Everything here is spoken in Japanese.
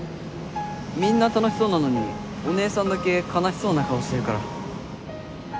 みんな楽しそうなのにお姉さんだけ悲しそうな顔してるから。